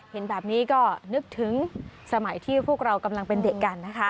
เห็นแบบนี้ก็นึกถึงสมัยที่พวกเรากำลังเป็นเด็กกันนะคะ